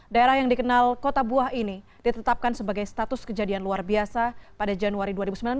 daerah yang dikenal kota buah ini ditetapkan sebagai status kejadian luar biasa pada januari dua ribu sembilan belas